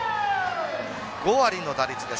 ５割の打率です。